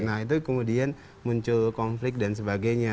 nah itu kemudian muncul konflik dan sebagainya